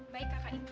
baik kakak ipar